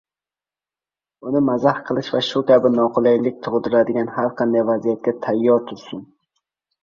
uni mazax qilish va shu kabi noqulaylik tug‘diradigan har qanday vaziyatga tayyor tursin.